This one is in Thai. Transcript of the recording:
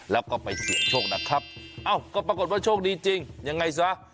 แล้วก็ไปเสี่ยงโชคนะครับเอ้าก็ปรากฏว่าโชคดีจริงยังไงซะ